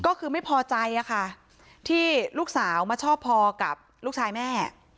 ก็คือไม่พอใจค่ะที่ลูกสาวมาชอบพอกับลูกชายแม่